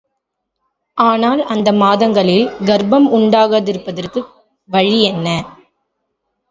ஆனால் அந்த மாதங்களில் கருப்பம் உண்டாகாதிருப்பதற்கு வழி என்ன?